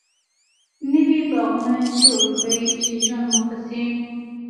نوي باغوانه جوړ کړي چی ژوند مو ښه سي